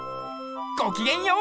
ごきげんよう！